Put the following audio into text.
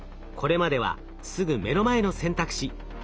これまではすぐ目の前の選択肢